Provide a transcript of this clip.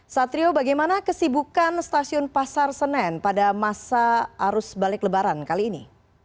satrio bagaimana kesibukan stasiun pasar senen pada masa arus balik lebaran kali ini